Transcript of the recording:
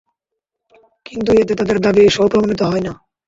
কিন্তু এতে তাদের দাবি সপ্রমাণিত হয় না।